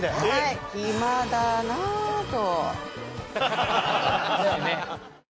暇だなっと。